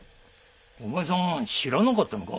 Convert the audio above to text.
お前さん知らなかったのか？